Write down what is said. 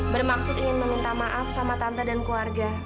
bermaksud ingin meminta maaf sama tante dan keluarga